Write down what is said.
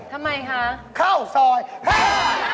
ทำไมคะข้าวสอยแฮ่ย